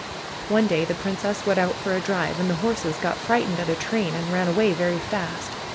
One day the princess went out for a drive, and the horses got frightened at a train and ran away very fast.